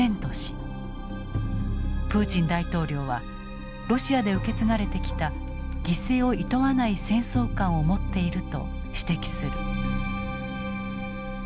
プーチン大統領はロシアで受け継がれてきた犠牲をいとわない戦争観を持っていると指摘する。